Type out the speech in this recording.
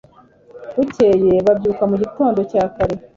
bukeye, babyuka mu gitondo cya kare